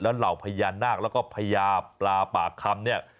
เหล่าพญานาคแล้วก็พญาปลาปากคำเนี่ย